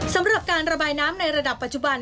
สำหรับการระบายน้ำในระดับปัจจุบัน